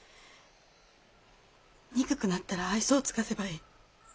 憎くなったら愛想を尽かせばいい。